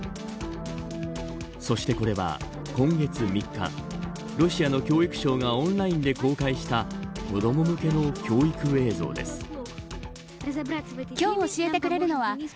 そしてこれは、今月３日ロシアの教育省がオンラインで公開した子ども向けの教育映像です。